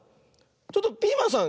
ちょっとピーマンさん